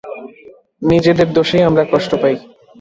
নিজেদের দোষেই আমরা কষ্ট পাই।